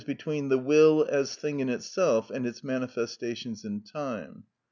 _, between the will as thing in itself and its manifestations in time.